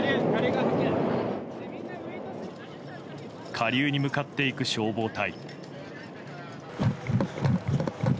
下流に向かっていく消防隊。